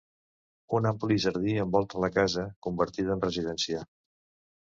Un ampli jardí envolta la casa, convertida en residència.